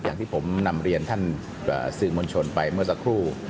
อย่างที่ผมนำเรียนท่านสื่อมวลชนไปเมื่อสักครู่